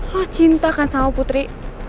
lo cintakan sama putri